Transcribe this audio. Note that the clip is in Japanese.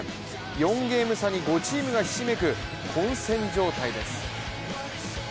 ４ゲーム差に５チームがひしめく混戦状態です。